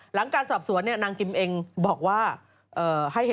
หลังการสอบสวนเนี่ยนางกิมเองบอกว่า